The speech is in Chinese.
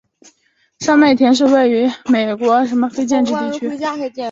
上麦田是位于美国亚利桑那州阿帕契县的一个非建制地区。